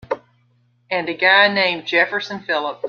And a guy named Jefferson Phillip.